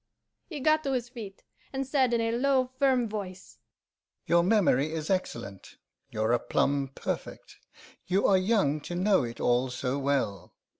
"He got to his feet, and said in a low, firm voice: 'Your memory is excellent, your aplomb perfect. You are young to know it all so well.